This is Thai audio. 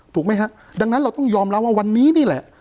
ถูกไหมฮะดังนั้นเราต้องยอมรับว่าวันนี้นี่แหละ